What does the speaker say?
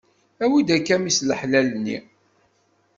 Awi-d akka mmi-s n laḥlal-nni.